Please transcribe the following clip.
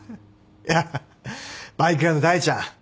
いやバイク屋の大ちゃん。